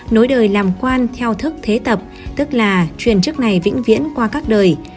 nối đời làm quan theo thức thế tập tức là truyền chức này vĩnh viễn qua các đời